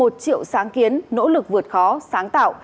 một triệu sáng kiến nỗ lực vượt khó sáng tạo